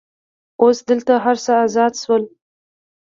اوس دلته هر څه آزاد شول.